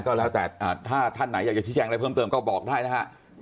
ก็แล้วแต่ถ้าท่านไหนอยากจะชี้แจงอะไรเพิ่มเติมก็บอกได้นะฮะ